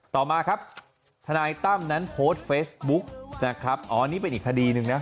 ต่อมาครับทนายตั้มนั้นโพสต์เฟซบุ๊กนะครับอ๋อนี่เป็นอีกคดีหนึ่งนะ